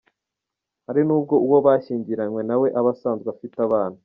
Hari n’ubwo n’uwo bashyingiranwe na we aba asanzwe afite abana.